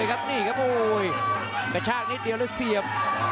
กระชากนิดเดียวแล้วเสียบ